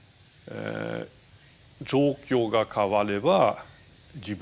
状況が変われば自分も変わる。